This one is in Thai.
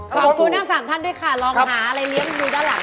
ขอบคุณทั้ง๓ท่านด้วยค่ะลองหาอะไรเลี้ยงดูด้านหลัง